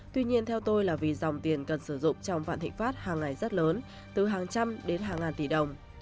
tuy nhiên theo tôi là vì dòng tiền cần sử dụng trong vạn thịnh pháp hàng ngày rất lớn từ hàng trăm đến hàng ngàn tỷ đồng